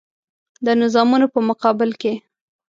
د نظامونو په مقابل کې.